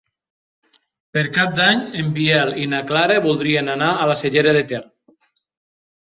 Per Cap d'Any en Biel i na Clara voldrien anar a la Cellera de Ter.